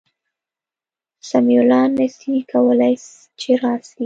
سمیع الله نسي کولای چي راسي